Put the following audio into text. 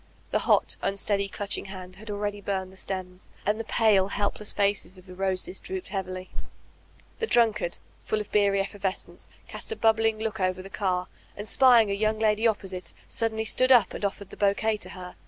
The hot, unsteady, clutching hand had already burned the stems, and the pale, help less faces of the roses drooped heavily. The drunkard, full of beery effervescence, cast a bub bling look over the car, and spying a young lady opposite, Whibb ths Whitb Ross Died 469 suddenly stood np and offered the bouquet to her.